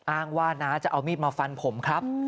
อ้างว่าน้าจะเอามีดมาฟันผมครับ